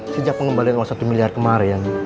sejak pengembalian uang satu miliar kemarin